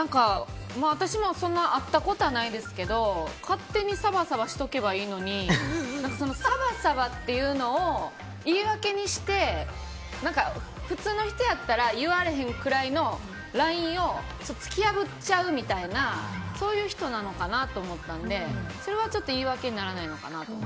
私もそんな会ったことはないですけど勝手にサバサバしとけばいいのにサバサバっていうのを言い訳にして普通の人やったら言われへんくらいのラインを突き破っちゃうみたいな人なのかなと思ったのでそれはちょっと言い訳にならないのかなと。